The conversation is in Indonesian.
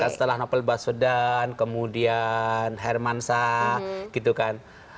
setelah novel baswedan kemudian hermansa gitu kan